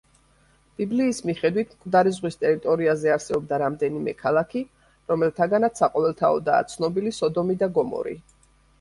ბიბლიის მიხედვით, მკვდარი ზღვის ტერიტორიაზე არსებობდა რამდენიმე ქალაქი, რომელთაგანაც საყოველთაოდაა ცნობილი სოდომი და გომორი.